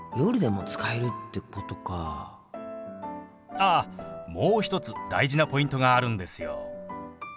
あっもう一つ大事なポイントがあるんですよ。